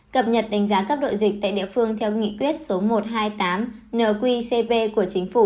cập nhật đánh giá cấp độ dịch tại địa phương theo nghị quyết số một trăm hai mươi tám nqcp của chính phủ